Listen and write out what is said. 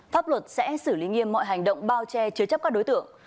pháp luật sẽ xử lý nghiêm mọi hành động bao che chứa chấp các đối tượng